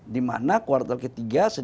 dimana kuartal ketiga